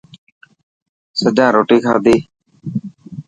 سڄان روتي کاڌي.